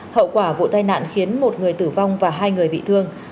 hậu quả vụ tai nạn khiến một người tử vong và hai người bị thương